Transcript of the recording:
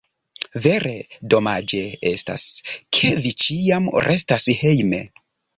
Vere, domaĝe estas, ke vi ĉiam restas hejme.